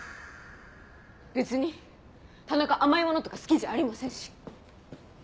別に田中甘いものとか好きじゃありませんし。